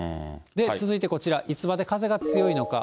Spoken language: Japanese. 続いてこちら、いつまで風が強いのか。